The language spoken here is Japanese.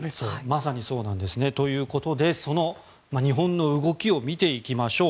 まさにそうなんですね。ということで日本の動きを見ていきましょう。